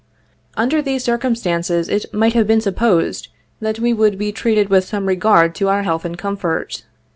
Under these circum stances, it might have been supposed that we would be treated with some regard to our health and comfort.